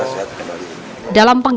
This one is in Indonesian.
tapi tidak terlalu banyak